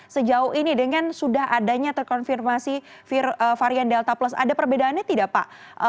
sejauh ini dengan sudah adanya terkonfirmasi varian delta plus ada perbedaannya tidak pak